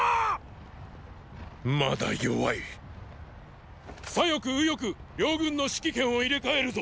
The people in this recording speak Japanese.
まだ弱い左翼右翼両軍の指揮権を入れ替えるぞ！